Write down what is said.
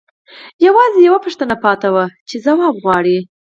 یوازې یوه پوښتنه پاتې وه چې ځواب غواړي